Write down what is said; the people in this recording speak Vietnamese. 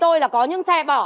tôi là có những xe bỏ